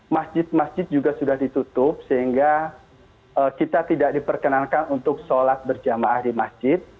masjid masjid juga sudah ditutup sehingga kita tidak diperkenankan untuk sholat berjamaah di masjid